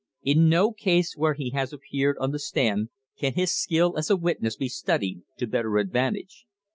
In no case where he has appeared on the stand can his skill as a witness be studied to better advan tage.